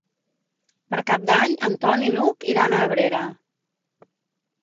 Per Cap d'Any en Ton i n'Hug iran a Abrera.